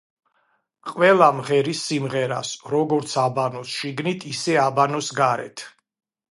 ყველა მღერის სიმღერას „როგორც აბანოს შიგნით, ისე აბანოს გარეთ“.